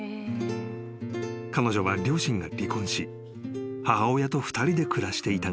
［彼女は両親が離婚し母親と２人で暮らしていたが］